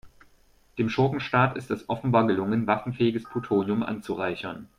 Dem Schurkenstaat ist es offenbar gelungen, waffenfähiges Plutonium anzureichern.